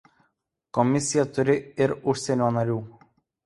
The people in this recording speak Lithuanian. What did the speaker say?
Komisija turi ir užsienio narių.